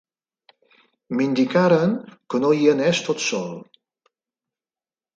M'indicaren que no hi anés tot sol.